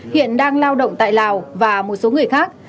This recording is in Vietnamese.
hiện đang lao động tại lào và một số người khác